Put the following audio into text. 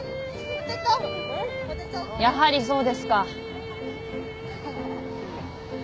やはりそうですか。